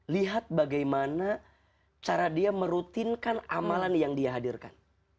lihat bagaimana cara dia merutinkan amalan yang dihadirkan